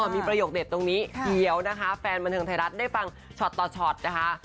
มีประโยคเด็ดตรงนี้เดี๋ยวนะคะแฟนบันเทิงไทยรัฐได้ฟังช็อตต่อช็อตนะคะ